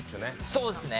そうですね。